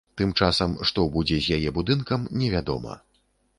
Тым часам, што будзе з яе будынкам, невядома.